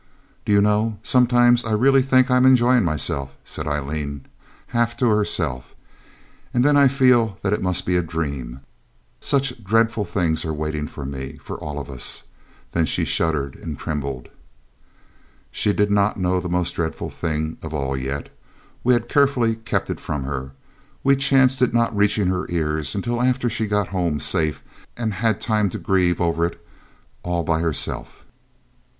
'Do you know, sometimes I really think I am enjoying myself,' said Aileen, half to herself, 'and then I feel that it must be a dream. Such dreadful things are waiting for me for us all.' Then she shuddered and trembled. She did not know the most dreadful thing of all yet. We had carefully kept it from her. We chanced its not reaching her ears until after she had got home safe and had time to grieve over it all by herself.